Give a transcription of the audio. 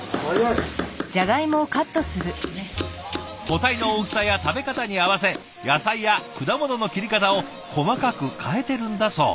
個体の大きさや食べ方に合わせ野菜や果物の切り方を細かく変えてるんだそう。